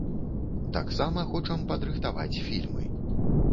Таксама хочам падрыхтаваць фільмы.